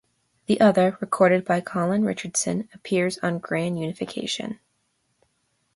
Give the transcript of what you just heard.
The other, recorded by Colin Richardson, appears on "Grand Unification".